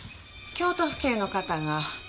京都府警の方が。